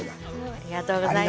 ありがとうございます。